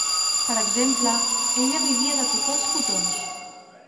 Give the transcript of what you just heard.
Per exemple, «ella vivia de tocar els cotons».